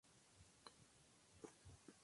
Es muy frecuente en la naturaleza.